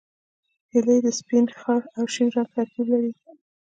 هیلۍ د سپین، خړ او شین رنګ ترکیب لري